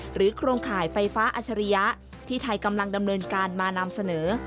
โครงข่ายไฟฟ้าอัชริยะที่ไทยกำลังดำเนินการมานำเสนอ